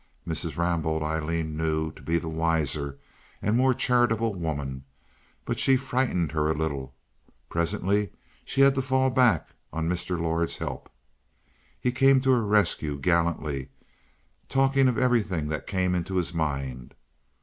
Mrs. Rambaud Aileen knew to be the wiser and more charitable woman, but she frightened her a little; presently she had to fall back on Mr. Lord's help. He came to her rescue gallantly, talking of everything that came into his mind.